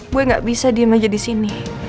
gue gak bisa diem aja di sini